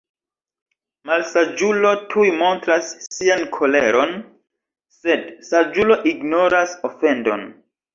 Malsaĝulo tuj montras sian koleron; Sed saĝulo ignoras ofendon.